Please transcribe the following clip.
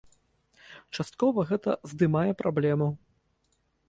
Часткова гэта здымае праблему.